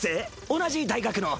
同じ大学の。